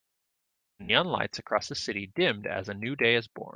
The neon lights across the city dimmed as a new day is born.